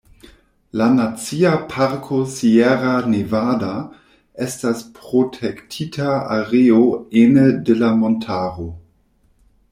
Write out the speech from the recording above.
La Nacia Parko Sierra Nevada estas protektita areo ene de la montaro.